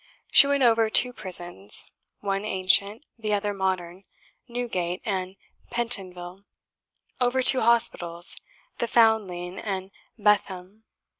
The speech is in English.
She went over two prisons, one ancient, the other modern, Newgate and Pentonville; over two hospitals, the Foundling and Bethlehem.